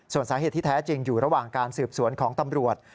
ส่วนสาเหตุที่แท้จริงอยู่ระหว่างการสืบสวนของตำรวจ